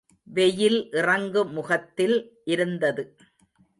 வெயில் இறங்கு முகத்தில் இருந்தது.